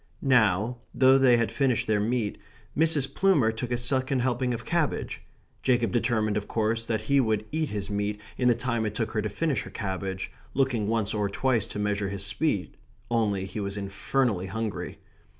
Now, though they had finished their meat, Mrs. Plumer took a second helping of cabbage. Jacob determined, of course, that he would eat his meat in the time it took her to finish her cabbage, looking once or twice to measure his speed only he was infernally hungry.